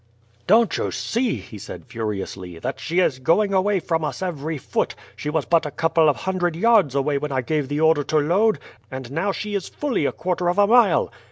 "Don't you see," he said furiously, "that she is going away from us every foot. She was but a couple of hundred yards away when I gave the order to load, and now she is fully a quarter of a mile."